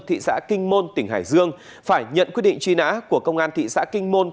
thị xã kinh môn tỉnh hải dương phải nhận quyết định truy nã của công an thị xã kinh môn